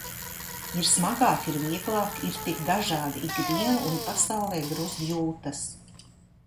Ir smagāk, ir vieglāk, ir tik dažādi ik dienu un pasaulē gruzd jūtas.